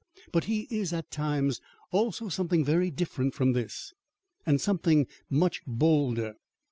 But he is at times also something very different from this, and something much bolder.